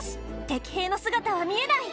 敵兵の姿は見えない！